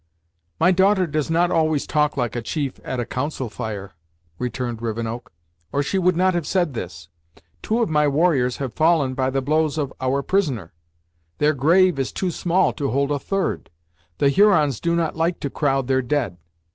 "My daughter does not always talk like a chief at a Council Fire," returned Rivenoak, "or she would not have said this. Two of my warriors have fallen by the blows of our prisoner; their grave is too small to hold a third. The Hurons do not like to crowd their dead.